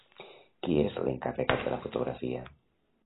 Qui és l'encarregat de la fotografia?